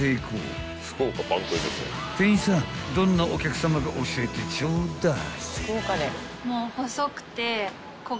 ［店員さんどんなお客さまか教えてちょうだい］